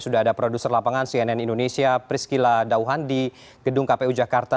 sudah ada produser lapangan cnn indonesia priscila dauhan di gedung kpu jakarta